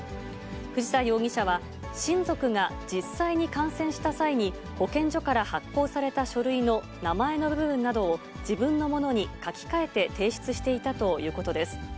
藤田容疑者は、親族が実際に感染した際に、保健所から発行された書類の名前の部分などを、自分のものに書き換えて提出していたということです。